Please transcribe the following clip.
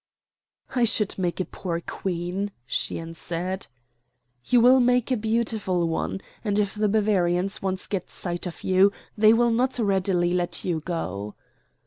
"I should make a poor Queen," she answered. "You will make a beautiful one; and if the Bavarians once get sight of you, they will not readily let you go."